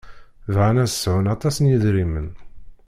Bɣan ad sɛun aṭas n yedrimen.